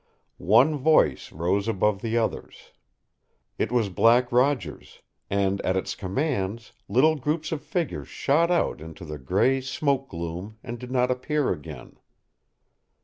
One voice rose above the others. It was Black Roger's, and at its commands little groups of figures shot out into the gray smoke gloom and did not appear again.